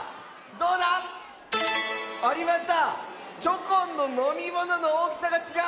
どうだ⁉ありました！